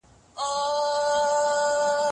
د داستان په تحقیق کي زمانه ډېره مهمه ده.